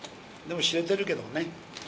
でも知れてるけどもね。